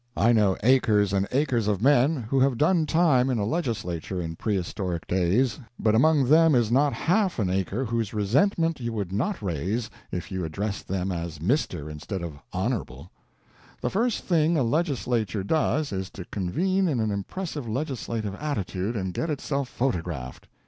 I know acres and acres of men who have done time in a legislature in prehistoric days, but among them is not half an acre whose resentment you would not raise if you addressed them as "Mr." instead of "Hon." The first thing a legislature does is to convene in an impressive legislative attitude, and get itself photographed.